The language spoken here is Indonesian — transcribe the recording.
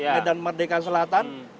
medan merdeka selatan